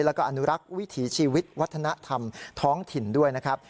แล้วก็อนุรักษ์วิถีชีวิตวัฒนธรรมท้องถิ่นด้วยนะครับ